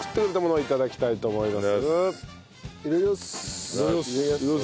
いただきます。